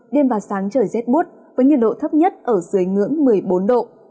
đêm và sáng trời rét bút với nhiệt độ thấp nhất ở dưới ngưỡng một mươi bốn độ